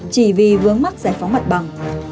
chỉ vì vướng mắt giải phóng mặt bằng